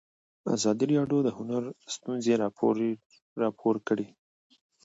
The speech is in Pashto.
ازادي راډیو د هنر ستونزې راپور کړي.